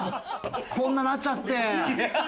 こんななっちゃって。